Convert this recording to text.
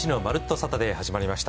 サタデー」始まりました。